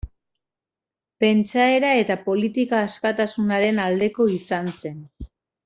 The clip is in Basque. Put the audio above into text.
Pentsaera eta politika askatasunaren aldeko izan zen.